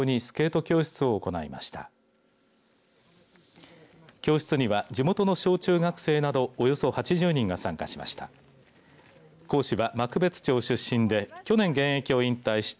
教室には地元の小中学生などおよそ８０人が参加しました。